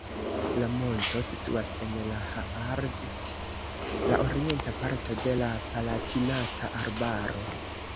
La monto situas en la Haardt, la orienta parto de la Palatinata arbaro.